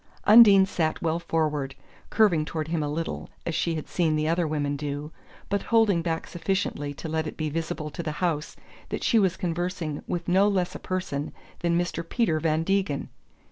Undine sat well forward, curving toward him a little, as she had seen the other women do, but holding back sufficiently to let it be visible to the house that she was conversing with no less a person than Mr. Peter Van Degen.